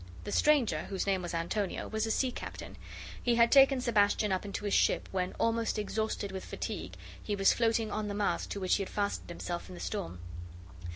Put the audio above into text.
The stranger, whose name was Antonio, was a sea captain. He had taken Sebastian up into his ship when, almost exhausted with fatigue, he was floating on the mast to which he had fastened himself in the storm.